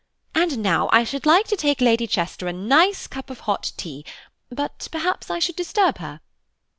And now I should like to take Lady Chester a nice cup of hot tea, but perhaps I should disturb her."